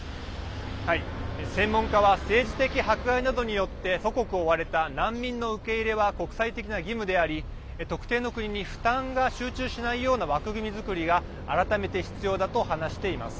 専門家は政治的迫害などによって祖国を追われた難民の受け入れは国際的な義務であり特定の国に負担が集中しないような枠組み作りが改めて必要だと話しています。